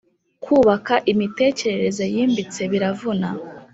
kubaka imitekerereze yimbitse biravuna